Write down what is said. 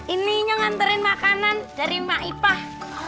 ini nyong anterin makanan dari mak ipah